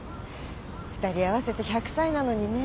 ２人合わせて１００歳なのにね。